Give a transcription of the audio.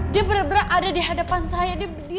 dia benar benar ada di hadapan saya